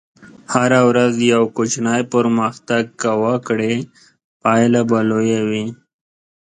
هره ورځ یو کوچنی پرمختګ که وکړې، پایله به لویه وي.